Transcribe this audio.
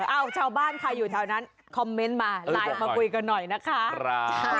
เอ้าชาวบ้านใครอยู่แถวนั้นคอมเมนต์มาไลน์มาคุยกันหน่อยนะคะ